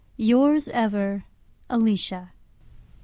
Yours ever, ALICIA.